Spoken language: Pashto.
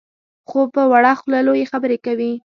خو په وړه خوله لویې خبرې کوي.